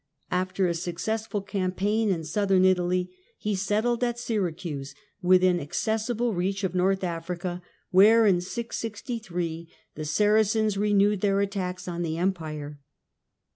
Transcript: After a successful campaign in Southern Italy he settled at Syracuse, within accessible reach of North Africa, where, in 663, the Saracens renewed their attacks on the Empire.